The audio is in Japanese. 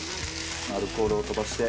アルコールを飛ばして。